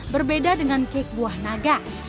berbeda dengan kek buah naga